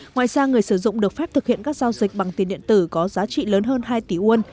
ngoài ra người sử dụng được phép thực hiện các giao dịch bằng tiền điện tử có giá trị lớn hơn hai tỷ won